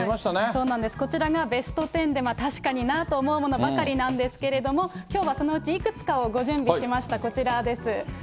そうなんです、こちらがベスト１０で、確かになあと思うものばかりなんですけども、きょうはそのうちいくつかをご準備しました、こちらです。